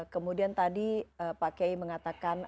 kemudian tadi pak kiai mengatakan